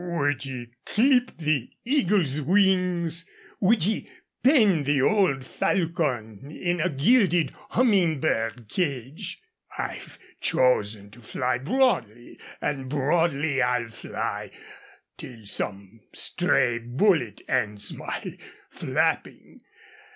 Would ye clip the eagle's wings? Would ye pen the old falcon in a gilded humming bird cage? I've chosen to fly broadly, and broadly I'll fly till some stray bullet ends my flapping.